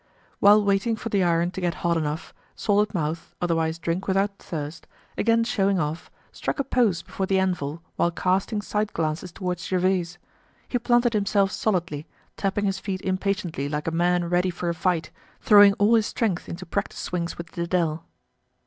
While waiting for the iron to get hot enough, Salted Mouth, otherwise Drink without Thirst, again showing off, struck a pose before the anvil while casting side glances toward Gervaise. He planted himself solidly, tapping his feet impatiently like a man ready for a fight, throwing all his strength into practice swings with Dedele.